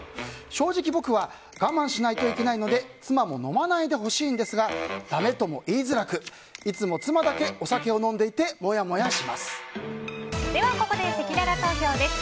正直、僕は我慢しないといけないので妻も飲まないでほしいのですがだめとも言いづらくいつも妻だけお酒を飲んでいてここでせきらら投票です。